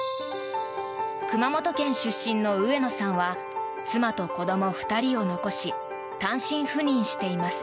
熊本県出身の上野さんは妻と子ども２人を残し単身赴任しています。